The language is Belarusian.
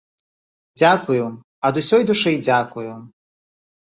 Дзякую, ад усёй душы дзякую!